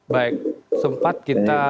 baik sempat kita